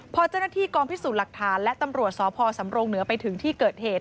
พอเจ้าหน้าที่กองพิสูจน์หลักฐานและตำรวจสพสำรงเหนือไปถึงที่เกิดเหตุ